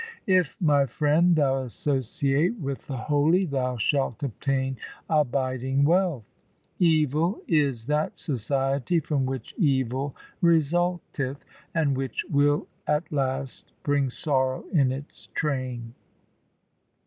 1 If, my friend, thou associate with the holy, Thou shalt obtain abiding wealth. Evil is that society from which evil resulteth, And which will at last bring sorrow in its train.